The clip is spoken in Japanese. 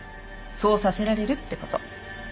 そうさせられるってこと。